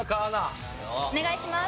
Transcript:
お願いします。